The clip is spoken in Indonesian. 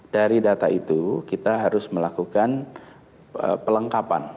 dari data itu kita harus melakukan pelengkapan